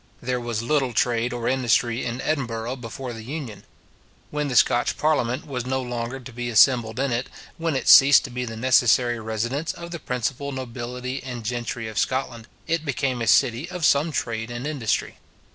There was little trade or industry in Edinburgh before the Union. When the Scotch parliament was no longer to be assembled in it, when it ceased to be the necessary residence of the principal nobility and gentry of Scotland, it became a city of some trade and industry.